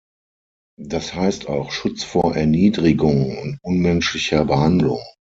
Das heißt auch Schutz vor Erniedrigung und unmenschlicher Behandlung.